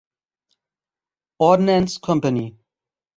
Ordnance Company.